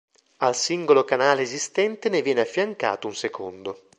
Al singolo canale esistente ne viene affiancato un secondo.